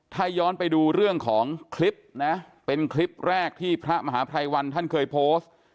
ถ้าย้อนไปดูเรื่องของคลิปนะเป็นคลิปแรกที่พระมหาภัยวันท่านเคยโพสต์